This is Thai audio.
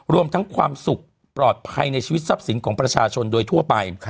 รวมทั้งความสุขปลอดภัยในชีวิตทรัพย์สินของประชาชนโดยทั่วไป